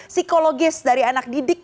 psikologis dari anak didik